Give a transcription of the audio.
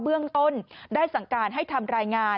เบื้องต้นได้สั่งการให้ทำรายงาน